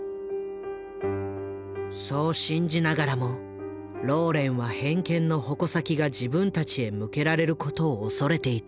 そう信じながらもローレンは偏見の矛先が自分たちへ向けられることを恐れていた。